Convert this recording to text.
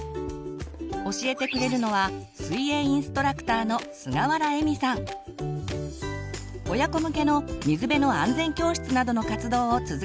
教えてくれるのは親子向けの水辺の安全教室などの活動を続けています。